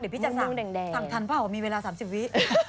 เดี๋ยวพี่จะสั่งสั่งทันเพราะว่ามีเวลา๓๐วิ